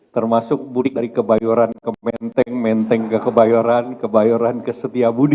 termasuk mudik dari kebayoran ke menteng menteng ke kebayoran kebayoran ke setiabudi